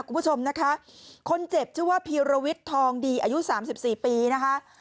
คุณผู้ชมนะคะคนเจ็บชื่อว่าพีรวิทย์ทองดีอายุสามสิบสี่ปีนะคะ